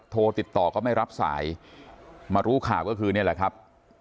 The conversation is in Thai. โทรติดต่อก็ไม่รับสายมารู้ข่าวก็คือนี่แหละครับ